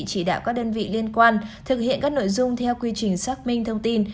chỉ đạo các đơn vị liên quan thực hiện các nội dung theo quy trình xác minh thông tin